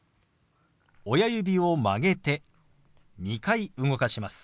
親指を曲げて２回動かします。